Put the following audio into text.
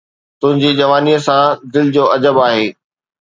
تنهنجي جوانيءَ سان دل جو عجب آهي